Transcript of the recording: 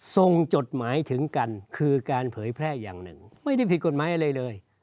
จดหมายถึงกันคือการเผยแพร่อย่างหนึ่งไม่ได้ผิดกฎหมายอะไรเลย